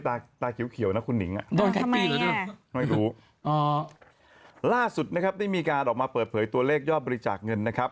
เรียกรอบมาเปิดเปรย์ตัวเลขยอบบริจาคจากเงินนะครับ